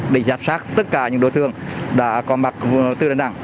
để giả sát tất cả những đồ thương đã có mặt từ đà nẵng